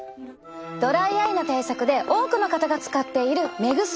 ドライアイの対策で多くの方が使っている目薬。